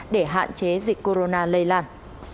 để hạn chế dịch corona lây lan